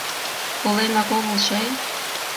Коленак огыл чай?